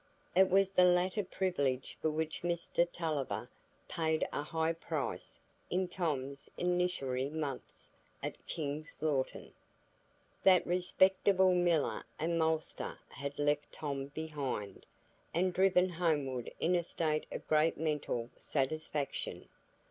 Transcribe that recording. It was the latter privilege for which Mr Tulliver paid a high price in Tom's initiatory months at King's Lorton. That respectable miller and maltster had left Tom behind, and driven homeward in a state of great mental satisfaction.